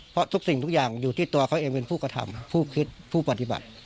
เพราะทุกสิ่งทุกอย่างอยู่ที่ตัวเขาเองเป็นผู้กระทำผู้คิดผู้ปฏิบัติ